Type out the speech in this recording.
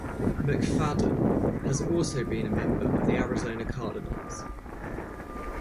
McFadden has also been a member of the Arizona Cardinals.